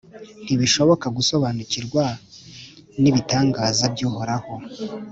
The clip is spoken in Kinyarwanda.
ntibishoboka gusobanukirwa n’ibitangaza by’Uhoraho.